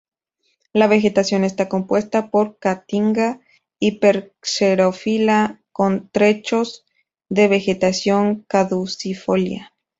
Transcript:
La vegetación está compuesta por Caatinga Hiper xerófila con trechos de Vegetación Caducifolia.